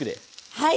はい。